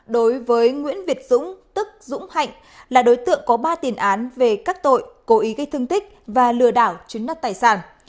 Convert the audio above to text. đối với nguyễn việt dũng tức dũng hạnh là đối tượng có ba tiền án về các tội cố ý gây thương tích và lừa đảo chứng nắt tài sản